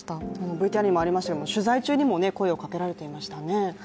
ＶＴＲにもありましたけど、取材中にも声をかけられていましたね。